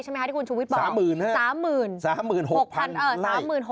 ใช่ไหมคะที่คุณชุมวิทย์บอกครับสามหมื่นสามหมื่น